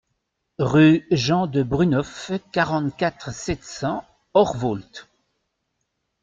Rue Jean de Brunhoff, quarante-quatre, sept cents Orvault